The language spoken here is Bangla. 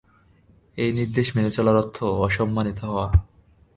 এই নির্দেশ মেনে চলার অর্থ অসম্মানিত হওয়া।